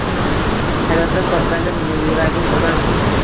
Hayotda topganim yuragim onam